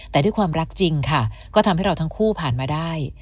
แต่ด้วยความรักจริงค่ะก็ทำให้เราทั้งคู่ผ่านมาได้